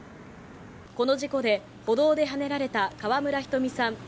この事故で、歩道ではねられた川村ひとみさん